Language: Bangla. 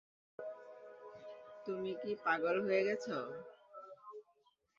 তুমি কি পাগল হয়ে গেছ?